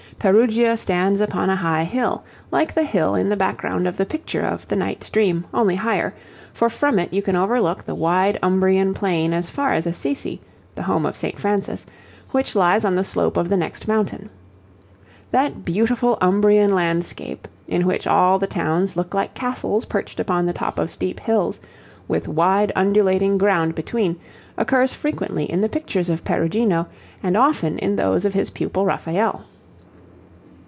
Perugia stands upon a high hill, like the hill in the background of the picture of the 'Knight's Dream,' only higher, for from it you can overlook the wide Umbrian plain as far as Assisi the home of St. Francis which lies on the slope of the next mountain. That beautiful Umbrian landscape, in which all the towns look like castles perched upon the top of steep hills, with wide undulating ground between, occurs frequently in the pictures of Perugino, and often in those of his pupil Raphael.